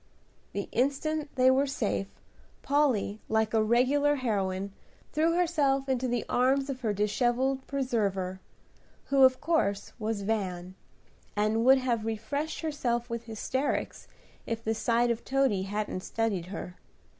The instant they were safe, Polly, like a regular heroine, threw herself into the arms of her dishevelled preserver, who of course was Van, and would have refreshed herself with hysterics if the sight of Toady hadn't steadied her.